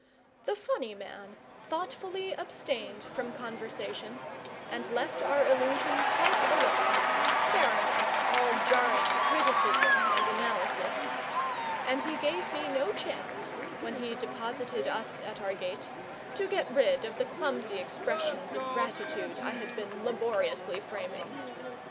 The funny man thoughtfully abstained from conversation, and left our illusion quite alone, sparing us all jarring criticism and analysis; and he gave me no chance, when he deposited us at our gate, to get rid of the clumsy expressions of gratitude I had been laboriously framing.